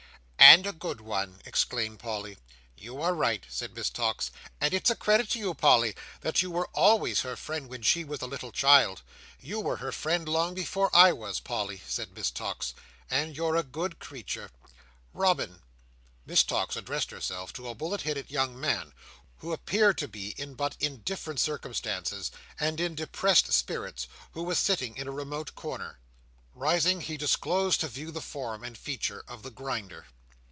"And a good one!" exclaimed Polly. "You are right," said Miss Tox; "and it's a credit to you, Polly, that you were always her friend when she was a little child. You were her friend long before I was, Polly," said Miss Tox; "and you're a good creature. Robin!" Miss Tox addressed herself to a bullet headed young man, who appeared to be in but indifferent circumstances, and in depressed spirits, and who was sitting in a remote corner. Rising, he disclosed to view the form and features of the Grinder.